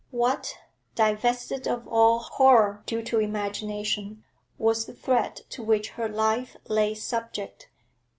What, divested of all horror due to imagination, was the threat to which her life lay subject?